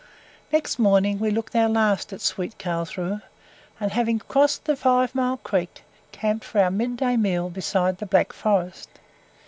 Next morning we looked our last at "sweet Carlshrue," and having crossed the Five Mile Creek, camped for our mid day meal beside the Black Forest.